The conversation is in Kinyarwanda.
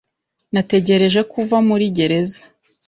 Nategereje ko uva muri gereza.